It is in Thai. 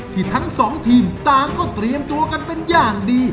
ทั้งสองทีมต่างก็เตรียมตัวกันเป็นอย่างดี